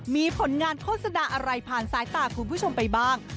มีผลงานโฆษณาอะไรผ่านสายตาคุณผู้ชมไปบ้าง